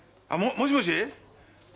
もしもし。